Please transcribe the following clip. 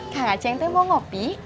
kang aceng tuh mau kopi